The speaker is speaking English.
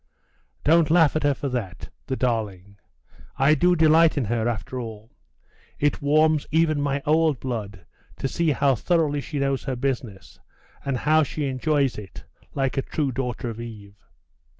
'Don't laugh at her for that, the darling! I do delight in her, after all. It warms even my old blood to see how thoroughly she knows her business, and how she enjoys it, like a true daughter of Eve.